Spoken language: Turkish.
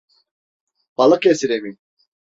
Balıkesir’e mi?